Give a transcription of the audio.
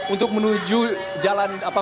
untuk menuju jalan